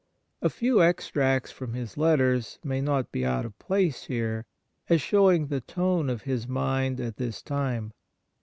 A few extracts from his letters may not be out of place here as showing the tone of his mind at this time.